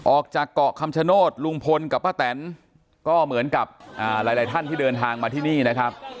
ออกจากเกาะคำชโนธลุงพลกับป้าแตนก็เหมือนกับหลายท่านที่เดินทางมาที่นี่นะครับ